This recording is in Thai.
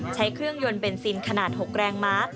ใช้เครื่องยนต์เบนซินขนาด๖แรงม้า